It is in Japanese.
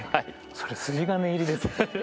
それ筋金入りですね。